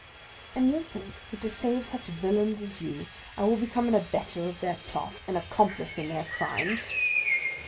"And you think that to save such villains as you I will become an abettor of their plot, an accomplice in their crimes?"